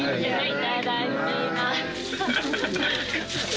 いただきます。